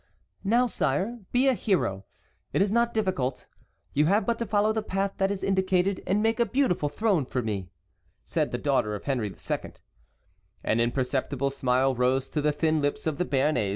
"Now, sire, be a hero; it is not difficult. You have but to follow the path that is indicated, and make a beautiful throne for me," said the daughter of Henry II. An imperceptible smile rose to the thin lips of the Béarnais.